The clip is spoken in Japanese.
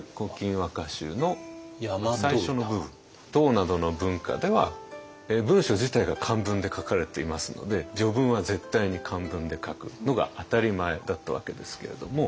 唐などの文化では文書自体が漢文で書かれていますので序文は絶対に漢文で書くのが当たり前だったわけですけれども。